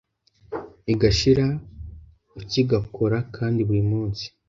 igashira ukigakora kandi buri munsi